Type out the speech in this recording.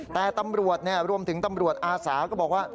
แต่ตำรวจรวมถึงตำรวจอาสาก็บอกว่า